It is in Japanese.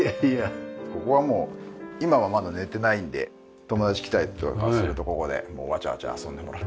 ここはもう今はまだ寝ていないので友達来たりとかするとここでもうわちゃわちゃ遊んでもらって。